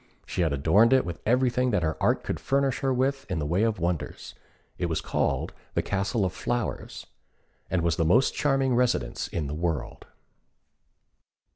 She had adorned it with everything that her art could furnish her with in the way of wonders. It was called the Castle of Flowers, and was the most charming residence in the world.